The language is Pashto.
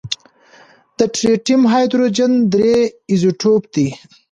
د ټریټیم هایدروجن درې ایزوټوپ دی.